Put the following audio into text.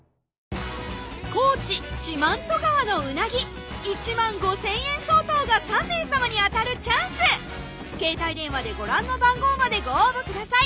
高知・四万十川のうなぎ１５，０００円相当が３名様に当たるチャンス携帯電話でご覧の番号までご応募ください